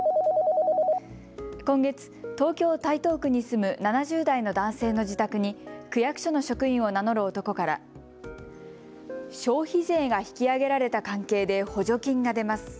今月、東京・台東区に住む７０代の男性の自宅に区役所の職員を名乗る男から消費税が引き上げられた関係で補助金が出ます。